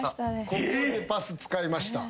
ここでパス使いました。